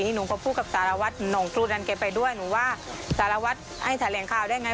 หนูหน่องกรูดอันเกย์ไปด้วยหนูว่าสารวัฒน์ให้แถลงข่าวได้ยังไง